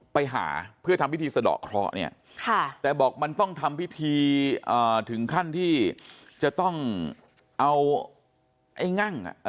ไปหาเพื่อทำพิธีสะดอกเคราะห์เนี่ยแต่บอกมันต้องทำพิธีถึงขั้นที่จะต้องเอาไอ้งั่ง